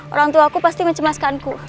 orangtuaku pasti mencemaskanku